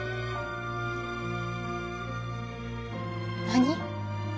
何？